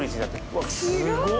うわっすごい。